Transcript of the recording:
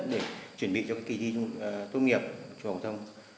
để chuẩn bị cho kỳ thi tốt nghiệp trung học thông